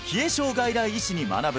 外来医師に学ぶ！